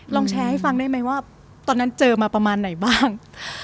ลองแชร์ให้ฟังได้ไหมว่าตอนนั้นเจอมาประมาณไหนบ้าง